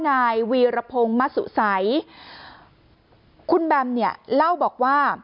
นายวีรพงศ์มะสุัยคุณแบมเนี่ยเล่าบอกว่า